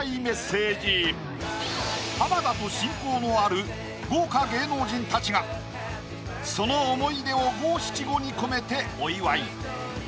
浜田と親交のある豪華芸能人たちがその思い出を５・７・５に込めてお祝い。